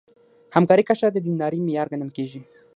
همکارۍ کچه د دیندارۍ معیار ګڼل کېږي.